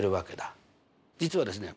実はですね